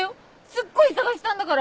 すっごい捜したんだから！